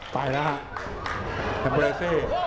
ตายนะฮะทัมปูลิสชี่